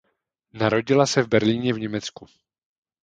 Narodila se v Berlíně v Německu.